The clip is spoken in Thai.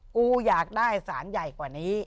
กูอยากได้สารใหญ่กว่านี้